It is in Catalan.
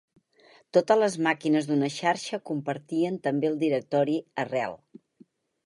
Totes les màquines d'una xarxa compartien també el directori arrel.